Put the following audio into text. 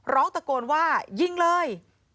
ร้องตะโกนว่ายิงเลย